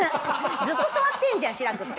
ずっと座ってんじゃん志らくって。